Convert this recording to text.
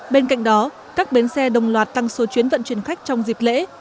bên cạnh đó các bến xe đồng loạt tăng số chuyến vận chuyển khách trong dịp lễ